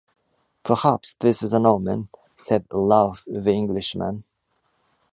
“Perhaps this is an omen?” said aloud the Englishman.